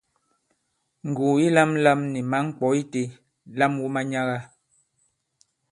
Ngùgù yi lāmlām ni mǎŋ ŋkwɔ̌ itē, lam wu manyaga!